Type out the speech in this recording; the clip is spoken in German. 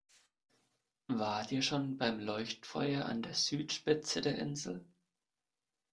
Wart ihr schon beim Leuchtfeuer an der Südspitze der Insel?